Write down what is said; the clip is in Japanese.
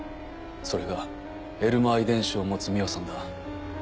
それがエルマー遺伝子を持つ美羽さんだ。